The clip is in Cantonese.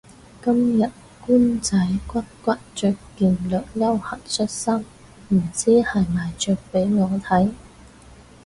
今日官仔骨骨着件略休閒恤衫唔知係咪着畀我睇